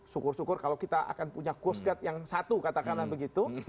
syukur syukur kalau kita akan punya coast guard yang satu katakanlah begitu